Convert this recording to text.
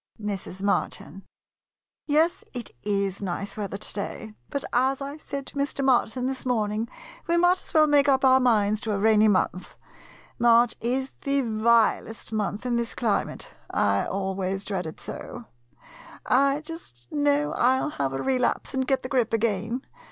Mrs. Martin Yes, it is nice weather to day ; but, as I said to Mr. Martin this morning, we might just as well make up our minds to a rainy month. March is the vilest month in this climate — I always dread it so. I just know I '11 have a relapse and get the grip again.